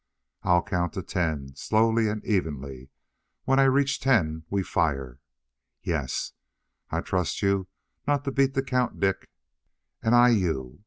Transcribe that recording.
"I'll count to ten, slowly and evenly. When I reach ten we fire?" "Yes." "I'll trust you not to beat the count, Dick." "And I you.